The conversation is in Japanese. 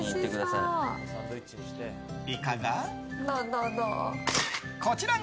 いかが？